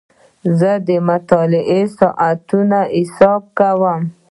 زه د مطالعې د ساعتونو حساب کوم.